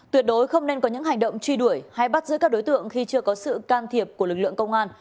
tuyệt đối không nên có những hành động truy đuổi hay bắt giữ các đối tượng khi chưa có sự can thiệp của lực lượng công an